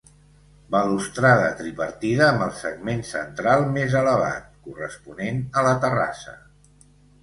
Balustrada tripartida amb el segment central més elevat, corresponent a la terrassa.